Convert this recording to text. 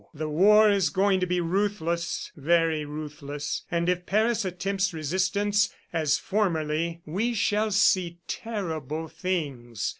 The war is going to be ruthless, very ruthless, and if Paris attempts resistance, as formerly, we shall see terrible things.